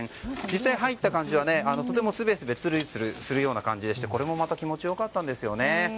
実際に入った感じはとてもすべすべつるつるするような感じでしてこれもまた気持ちよかったんですよね。